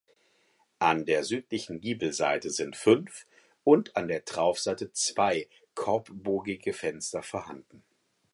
An der südlichen Giebelseite sind fünf und an der Traufseite zwei korbbogige Fenster vorhanden.